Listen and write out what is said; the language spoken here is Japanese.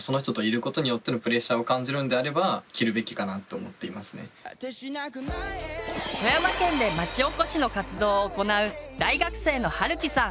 僕は富山県で町おこしの活動を行う大学生のはるきさん。